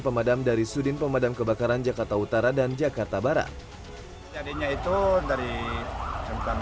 pemadam dari sudin pemadam kebakaran jakarta utara dan jakarta barat jadinya itu dari mk